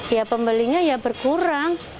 ya pembelinya ya berkurang